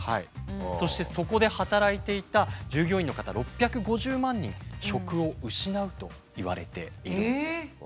そしてそこで働いていた従業員の方６５０万人職を失うといわれているんです。